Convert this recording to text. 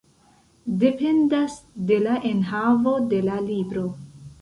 Dependas de la enhavo de la libro.